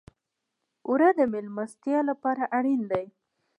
اوړه د میلمستیا لپاره اړین دي